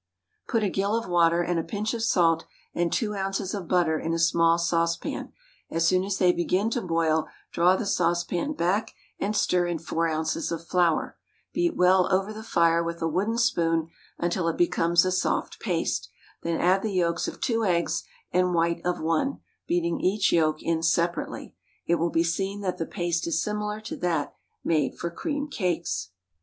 Put a gill of water and a pinch of salt and two ounces of butter in a small saucepan; as soon as they begin to boil draw the saucepan back and stir in four ounces of flour; beat well over the fire with a wooden spoon until it becomes a soft paste, then add the yolks of two eggs and white of one, beating each yolk in separately. It will be seen that the paste is similar to that made for cream cakes.